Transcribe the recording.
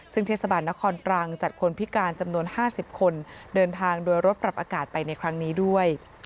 ซึ่งเทศบาลนครตรังจัดคนพิการจำนวน๕๐คนเดินทางโดยรถปรับอากาศไปในครั้งนี้ด้วย